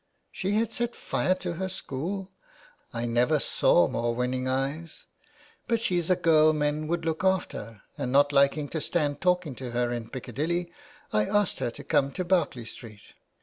She had set fire to her school ! I never saw more winning eyes. But she's a girl men would look after, and not liking to stand talking to her in Piccadilly, I asked her to come down Berkeley Street.